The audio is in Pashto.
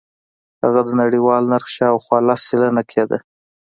هغه د نړیوال نرخ شاوخوا لس سلنه کېده.